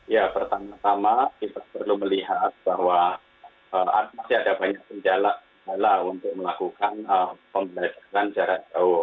ya pertama tama kita perlu melihat bahwa masih ada banyak kendala untuk melakukan pembelajaran jarak jauh